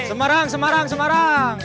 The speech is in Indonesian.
semarang semarang semarang